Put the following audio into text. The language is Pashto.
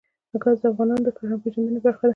ګاز د افغانانو د فرهنګي پیژندنې برخه ده.